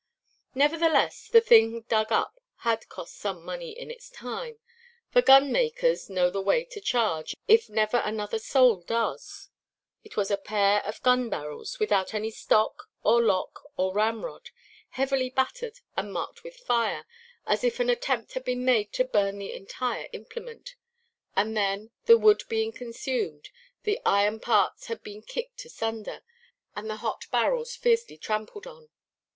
Nevertheless, the thing dug up had cost some money in its time, for gunmakers know the way to charge, if never another soul does. It was a pair of gun–barrels, without any stock, or lock, or ramrod, heavily battered and marked with fire, as if an attempt had been made to burn the entire implement, and then, the wood being consumed, the iron parts had been kicked asunder, and the hot barrels fiercely trampled on.